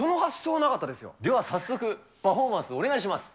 では、早速パフォーマンス、お願いします。